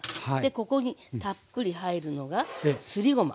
ここにたっぷり入るのがすりごま。